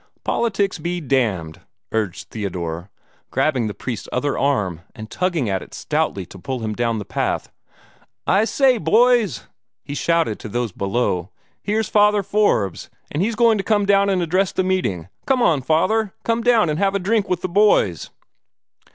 "Politics be damned!" urged Theodore, grabbing the priest's other arm, and tugging at it stoutly to pull him down the path. "I say, boys" he shouted to those below, "here's Father Forbes, and he's going to come down and address the meeting. Come on, Father! Come down, and have a drink with the boys!"